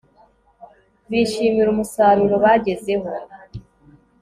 bishimira umusaruro bagezeho